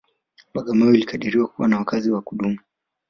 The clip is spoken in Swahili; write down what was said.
Bagamoyo ilikadiriwa kuwa na wakazi wa kudumu